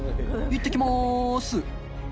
いってきます。